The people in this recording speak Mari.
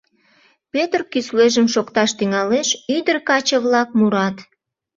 Пӧтыр кӱслежым шокташ тӱҥалеш, ӱдыр-каче-влак мурат: